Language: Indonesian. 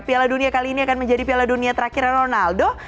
piala dunia kali ini akan menjadi piala dunia terakhirnya ronaldo